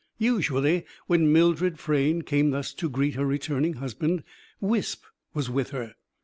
Usually, when Mildred Frayne came thus to greet her returning husband, Wisp was with her.